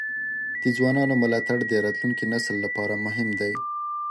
د ځوانانو ملاتړ د راتلونکي نسل لپاره مهم دی.